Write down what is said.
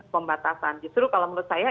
pembatasan justru kalau menurut saya